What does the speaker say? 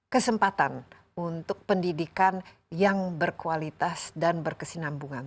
kesempatan untuk pendidikan yang berkualitas dan berkesinambungan